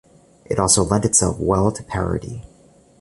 It also lent itself well to parody.